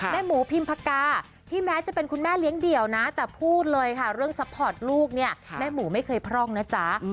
หมูพิมพกาที่แม้จะเป็นคุณแม่เลี้ยงเดี่ยวนะแต่พูดเลยค่ะเรื่องซัพพอร์ตลูกเนี่ยแม่หมูไม่เคยพร่องนะจ๊ะ